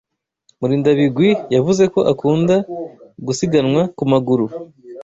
Murindabigwi yavuze ko akunda gusiganwa ku maguru.